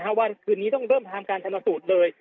เพราะว่าคืนนี้ต้องเริ่มทำการชนสูตรเลย